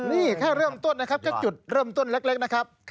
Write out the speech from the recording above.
นี่แค่เริ่มต้นนะครับก็จุดเริ่มต้นเล็กนะครับ